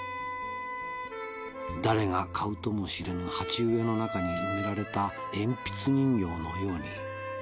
「誰が買うとも知れぬ鉢植えの中に埋められた鉛筆人形のように」